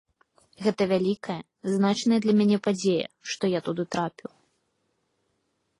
Гэта вялікая, значная для мяне падзея, што я туды трапіў.